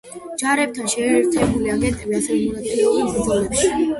ჯარებთან შეერთებული აგენტები ასევე მონაწილეობენ ბრძოლებში.